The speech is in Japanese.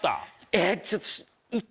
えっちょっと。